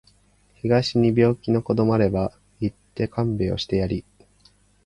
東に病気の子どもあれば行って看病してやり